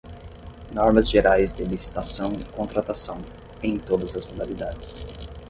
normas gerais de licitação e contratação, em todas as modalidades